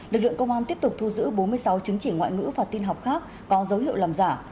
lực lượng công an tiếp tục thu giữ bốn mươi sáu chứng chỉ ngoại ngữ và tin học khác có dấu hiệu làm giả